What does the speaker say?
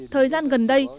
thời gian gần đây